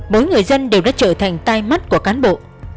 mỗi người dân đều đã trở thành tai mắt của cán bộ